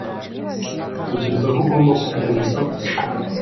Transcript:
utekereza ko ugomba kuvuga ubusa gusa